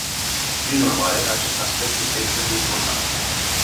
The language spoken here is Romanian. Prin urmare, acest aspect este extrem de important.